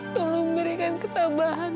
tolong berikan ketambahan